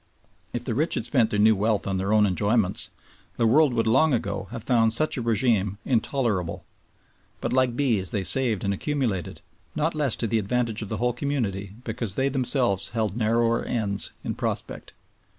If the rich had spent their new wealth on their own enjoyments, the world would long ago have found such a rÈgime intolerable. But like bees they saved and accumulated, not less to the advantage of the whole community because they themselves held narrower ends in prospect.